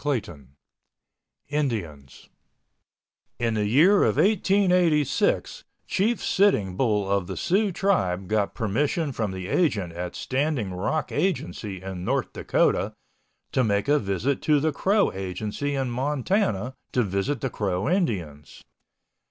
CHAPTER XIII INDIANS In the year of 1886 Chief Sitting Bull of the Sioux tribe got permission from the agent at Standing Rock Agency in North Dakota to make a visit to the Crow Agency in Montana to visit the Crow Indians.